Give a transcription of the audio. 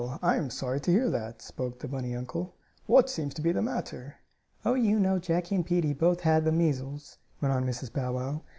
I am sorry to hear that," spoke the bunny uncle. "What's seems to be the matter?" "Oh, you know Jackie and Peetie both had the measles," went on Mrs. Bow Wow.